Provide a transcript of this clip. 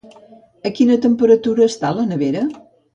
A quina temperatura està la nevera?